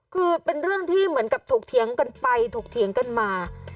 คือเป็นเรื่องที่เหมือนกับถูกเถียงกันไปถกเถียงกันมา